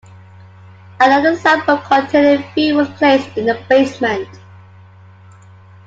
Another sample containing Fe was placed in the basement.